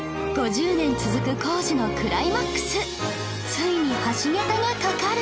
ついに橋桁が架かる！